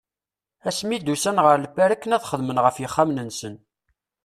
Asmi i d-ussan ɣer Lpari akken ad xedmen ɣef yixxamen-nsen.